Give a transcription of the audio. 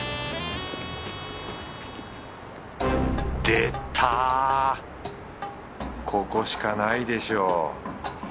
出たここしかないでしょ。